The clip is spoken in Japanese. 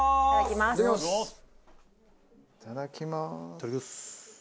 いただきます。